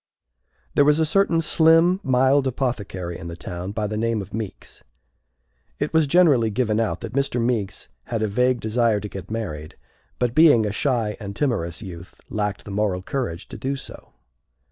There was a certain slim, mild apothecary in the town, by the name of Meeks. It was generally given out that Mr. Meeks had a vague desire to get married, but, being a shy and timorous youth, lacked the moral courage to do so.